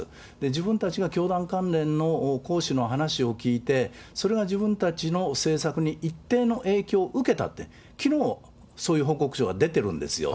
自分たちは教団関連の講師の話を聞いて、それが自分たちの政策に一定の影響を受けたって、きのうそういう報告書が出てるんですよ。